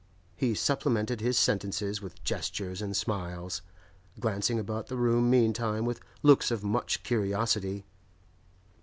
He supplemented his sentences with gestures and smiles, glancing about the room meantime with looks of much curiosity.